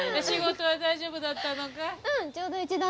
仕事は大丈夫だったのかい？